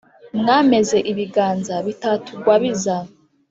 Mwameze ibiganza bitatugwabiza